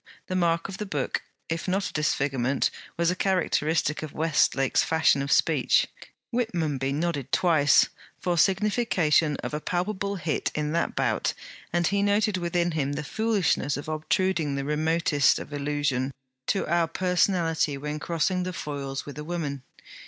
The mark of the book, if not a disfigurement, was a characteristic of Westlake's fashion of speech. Whitmonby nodded twice, for signification of a palpable hit in that bout; and he noted within him the foolishness of obtruding the remotest allusion to our personality when crossing the foils with a woman.